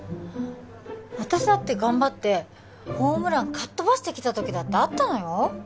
私だって頑張ってホームランかっ飛ばしてきた時だってあったのよ